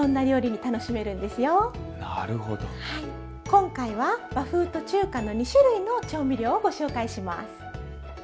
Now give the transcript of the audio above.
今回は和風と中華の２種類の調味料をご紹介します。